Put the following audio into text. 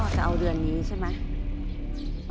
จะเอาเดือนนี้ใช่ไหม